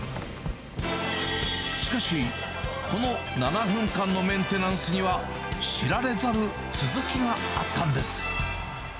しかし、その７分のメンテナンスには、知られざる続きがあったんです。